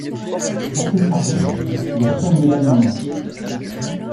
Pour ses services, il reçoit une médaille en or.